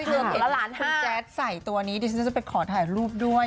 พี่แจ๊ดใส่ตัวนี้ดิฉันจะไปขอถ่ายรูปด้วย